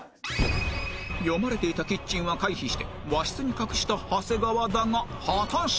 読まれていたキッチンは回避して和室に隠した長谷川だが果たして！？